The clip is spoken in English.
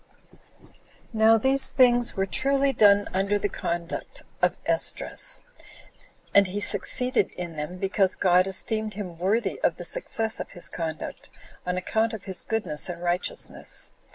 3. Now these things were truly done under the conduct of Esdras; and he succeeded in them, because God esteemed him worthy of the success of his conduct, on account of his goodness and righteousness.